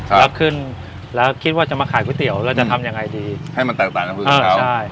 แล้วขึ้นแล้วคิดว่าจะมาขายก๋วยเตี๋ยวแล้วจะทำยังไงดีให้มันแตกต่างจากพื้นเขาใช่